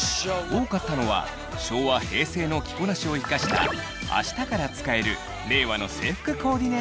多かったのは昭和・平成の着こなしを生かしたあしたから使える令和の制服コーディネート術。